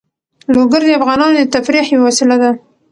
لوگر د افغانانو د تفریح یوه وسیله ده.